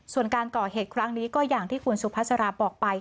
ส่วนการก่อเหตุครั้งนี้ก็อย่างที่คุณสุภาษาราบอกไป